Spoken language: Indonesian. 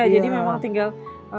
jadi memang tinggal